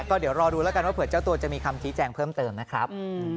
ก็เดี๋ยวรอดูแล้วกันว่าเผื่อเจ้าตัวจะมีคำชี้แจงเพิ่มเติมนะครับ